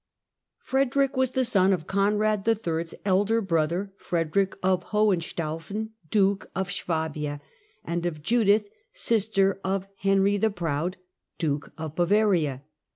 Frederick was the son of Conrad III.'s elder brother, Frederick of Hohenstaufen, Duke of Swabia, and of Judith, sister of Henry the Proud, Duke of Bavaria.